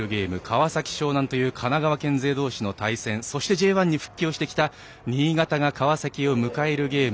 川崎、湘南という神奈川県勢同士の対戦、そしてＪ１に復帰してきた新潟が川崎を迎えるゲーム。